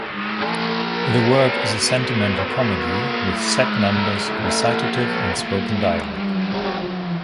The work is a sentimental comedy with set numbers, recitative and spoken dialog.